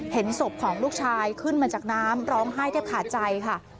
เห็นศพของลูกชายขึ้นมาจากน้ำร้องไห้แทบขาดใจค่ะ